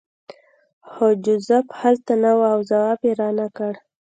خو جوزف هلته نه و او ځواب یې رانکړ